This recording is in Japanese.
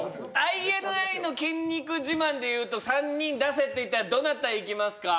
ＩＮＩの筋肉自慢でいうと３人出せっていったらどなたいきますか？